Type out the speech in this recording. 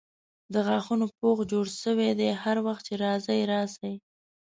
د غاښونو پوښ جوړ سوی دی هر وخت چې راځئ راسئ.